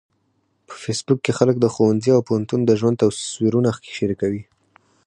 په فېسبوک کې خلک د ښوونځي او پوهنتون د ژوند تصویرونه شریکوي